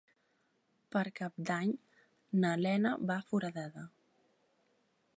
Per Cap d'Any na Lena va a Foradada.